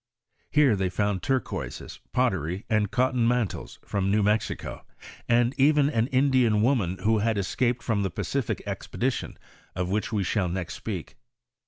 Here they found turquoises, potter}', and cotton mantles fioin New Mex ico, and even an Indian woman who had escaped from the Pacific expedition, of which we shall next speak.